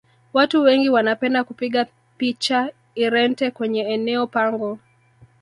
watu wengi wanapenda kupiga picha irente kwenye eneo pango